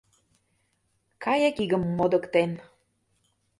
Кайык игым модыктен.